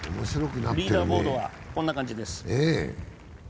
リーダーボードは、こんな感じです